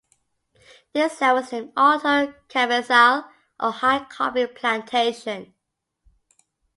This land was named Alto Cafezal, or "High Coffee Plantation".